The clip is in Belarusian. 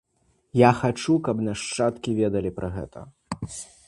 Я хачу, каб нашчадкі ведалі пра гэта.